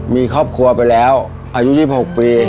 มีครอบครัวไปแล้วอายุ๒๖ปี